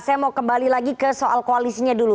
saya mau kembali lagi ke soal koalisinya dulu